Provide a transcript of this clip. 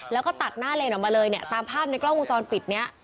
แล้วก็ตัดหน้าเลนออกมาเลยเนี่ยตามภาพในกล้องวงจรปิดเนี้ย